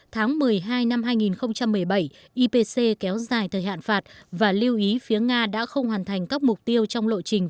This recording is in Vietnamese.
tháng một mươi hai năm hai nghìn một mươi bảy ipc kéo dài thời hạn phạt và lưu ý phía nga đã không hoàn thành các mục tiêu trong lộ trình